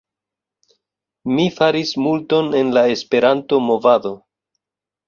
Mi faris multon en la Esperanto-movado